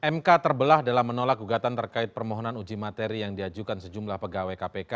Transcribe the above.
mk terbelah dalam menolak gugatan terkait permohonan uji materi yang diajukan sejumlah pegawai kpk